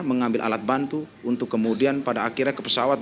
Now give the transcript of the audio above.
mengambil alat bantu untuk kemudian pada akhirnya ke pesawat